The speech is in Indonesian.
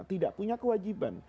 tidak punya kewajiban